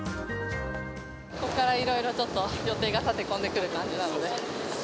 ここからいろいろちょっと予定が立て込んでくる感じなので。